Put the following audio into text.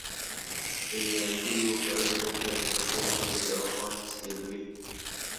د نیالګیو کرل د چاپیریال ککړتیا له منځه وړی او هوا تصفیه کوی